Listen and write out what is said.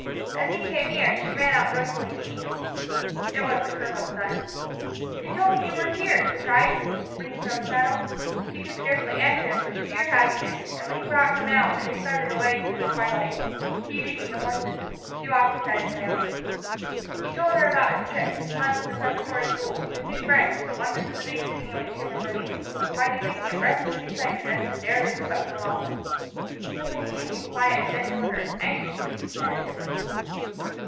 As he came near, she ran out joyfully to meet him. It was the colonel's son. "They told me you were here," he cried, springing from his saddle. She could scarcely answer him for sheer happiness, and when he brought out her mount and they started away through the twilight, he leading the horses, she walked beside him silently. He told her about his trip, his months at the preparatory school, his new friends, the wonders of the big city in which he had been living, hardly taking a breath in his excitement as his narrative swept along. Suddenly he became quiet and bent toward her anxiously, penitently.